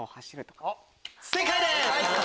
正解です！